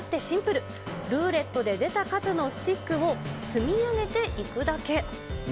ルーレットで出た数のスティックを積み上げていくだけ。